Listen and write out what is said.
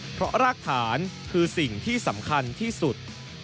เพราะรากฐานคือสิ่งที่สำคัญที่สุด